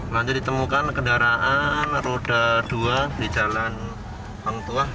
lanjut ditemukan kendaraan roda dua di jalan pangtuah